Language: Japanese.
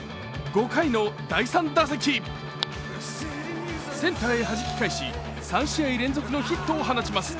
５回の第３打席、センターへはじき返し、３試合連続のヒットを放ちます。